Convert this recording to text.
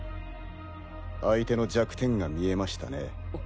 相手の弱点が見えましたね。